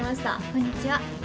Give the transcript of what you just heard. こんにちは。